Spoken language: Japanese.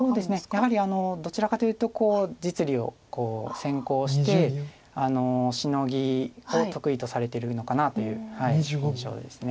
やはりどちらかというと実利を先行してシノギを得意とされてるのかなという印象です。